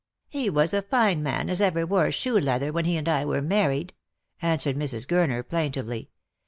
"He was as fine a man as ever wore shoe leather when he and I were married," answered Mrs. Gurner plaintively.